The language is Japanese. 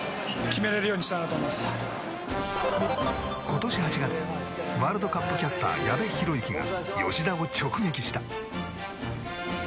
今年８月ワールドカップキャスター矢部浩之が吉田を直撃した。